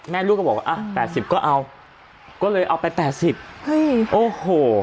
แม่ลูกก็บอกว่า๘๐บาทก็เอาก็เลยเอาไป๘๐บาท